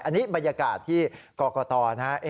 อันนี้บรรยากาศที่กรกฎอนะฮะ